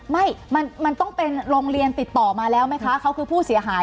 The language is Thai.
ไม่มันต้องเป็นโรงเรียนติดต่อมาแล้วไหมคะเขาคือผู้เสียหาย